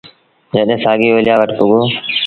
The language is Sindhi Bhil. جڏهيݩ سآڳي اوليآ وٽ پُڳو